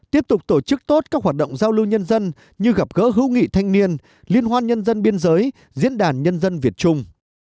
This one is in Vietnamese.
tiếp tục tổ chức tốt các hoạt động giao lưu nhân dân như gặp gỡ hữu nghị thanh niên liên hoan nhân dân biên giới diễn đàn nhân dân việt trung